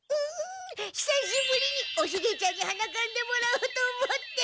久しぶりにおシゲちゃんにはなかんでもらおうと思って。